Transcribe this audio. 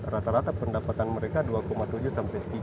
rata rata pendapatan mereka dua tujuh sampai tiga